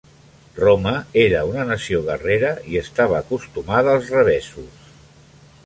Roma era una nació guerrera i estava acostumada als revessos.